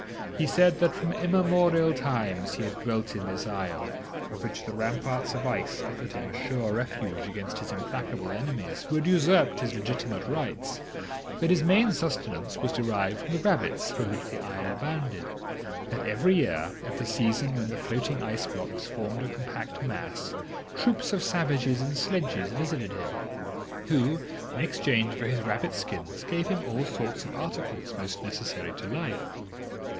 He told them that from immemorial times he had dwelt in this isle, of which the ramparts of ice offered him a sure refuge against his implacable enemies, who had usurped his legitimate rights; that his main subsistence was derived from the rabbits with which the isle abounded; that every year, at the season when the floating ice blocks formed a compact mass, troops of savages in sledges visited him, who, in exchange for his rabbit skins, gave him all sorts of articles most necessary to life.